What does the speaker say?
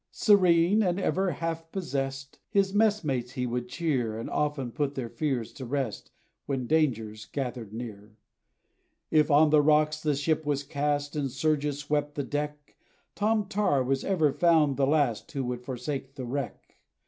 Serene, and ever self possessed, His mess mates he would cheer, And often put their fears to rest, When dangers gathered near. If on the rocks the ship was cast, And surges swept the deck, Tom Tar was ever found the last, Who would forsake the wreck.